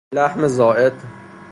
لحم زائد